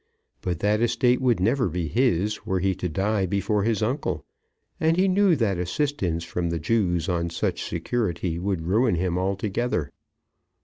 But that estate would never be his were he to die before his uncle, and he knew that assistance from the Jews on such security would ruin him altogether.